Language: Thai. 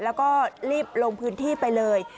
แล้วก็รีบลงพื้นที่ไปเลย